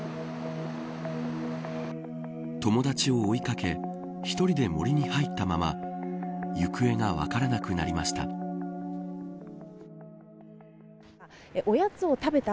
友達を追いかけ１人で森に入ったまま行方が分からなくなりました。